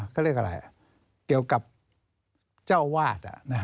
เขาเรียกอะไรเกี่ยวกับเจ้าวาด